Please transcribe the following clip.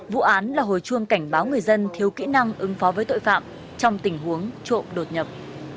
vụ án là hồi chuông cảnh báo người dân thiếu kỹ năng ứng phó với tội phạm trong tình huống trộm đột nhập